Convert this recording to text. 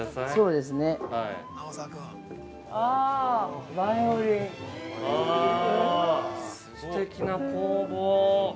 ◆すてきな工房。